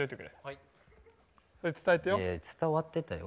いや伝わってたよ。